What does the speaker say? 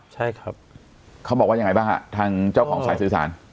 ใช่ครับเขาบอกว่ายังไงบ้างฮะทางเจ้าของสายสื่อสาร